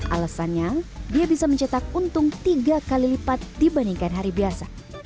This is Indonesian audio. alasannya dia bisa mencetak untung tiga kali lipat dibandingkan hari biasa